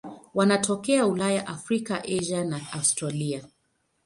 Wanatokea Ulaya, Afrika, Asia na Australia.